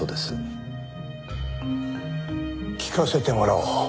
聞かせてもらおう。